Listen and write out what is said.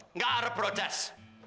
enggak ada protes